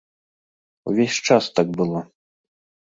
Увесь час так было.